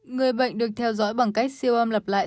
người bệnh được theo dõi bằng cách siêu âm lập lại